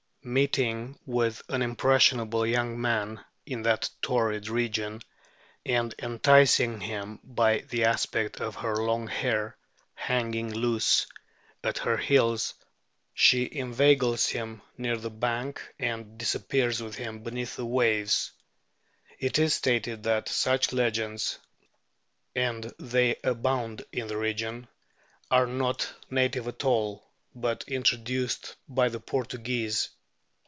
Meeting with an impression able young man in that torrid region, and enticing him by the aspect of her long hair hanging loose at her heels, she inveigles him near the bank and dis O appears with him beneath the waves. It is stated that such legends, and they abound in the region, are not native at all, but introduced by the Portuguese.